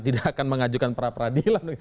tidak akan mengajukan peradilan